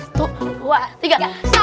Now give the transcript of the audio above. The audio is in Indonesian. satu dua tiga